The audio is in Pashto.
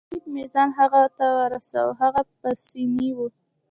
په تکلیف مې ځان هغه ته ورساوه، هغه پاسیني وو.